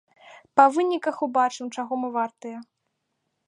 Па выніках убачым, чаго мы вартыя.